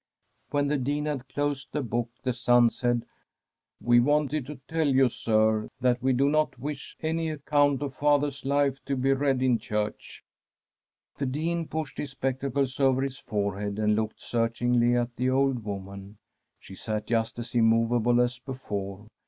When the Dean had closed the book, the son said: * We wanted to tell you, sir, that we do not wish any account of father's life to be read in church.' The Dean pushed his spectacles over his fore head and looKed searchingly at the old woman. She sat just as immovable as before.